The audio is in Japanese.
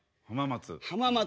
浜松